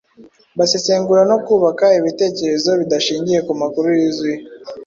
basesengura no kubaka ibitekerezo bidashingiye ku makuru yuzuye,